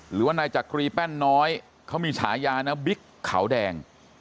หรือว่านายจักรีแป้นน้อยเขามีฉายานะบิ๊กขาวแดง